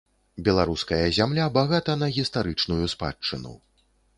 Беларуская зямля багата на гістарычную спадчыну.